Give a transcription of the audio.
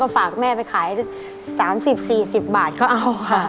ฝากแม่ไปขาย๓๐๔๐บาทก็เอาค่ะ